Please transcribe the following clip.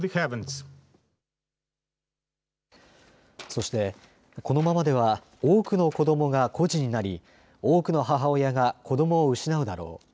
そして、このままでは多くの子どもが孤児になり多くの母親が子どもを失うだろう。